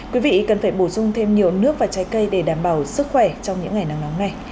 quý vị cần phải bổ sung thêm nhiều nước và trái cây để đảm bảo sức khỏe trong những ngày nắng nóng này